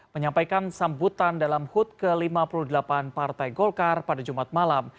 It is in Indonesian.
menyampaikan sambutan dalam hud ke lima puluh delapan partai golkar pada jumat malam